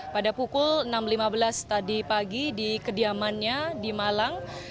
pada pukul enam lima belas tadi pagi di kediamannya di malang